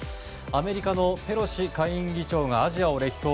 アメリカのペロシ下院議長がアジアを歴訪。